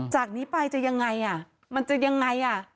จากนี้ไปจะยังไงอ่ะมันจะยังไงอ่ะ